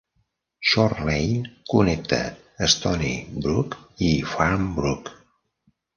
Short Lane connecta Stoneybrook i Farmbrook.